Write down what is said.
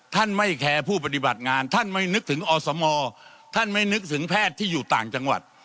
ที่อยู่ต่างจังหวัด